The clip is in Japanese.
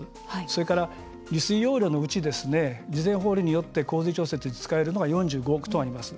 それから、利水容量のうち事前放流によって洪水調節に使えるのは４５億トンあります。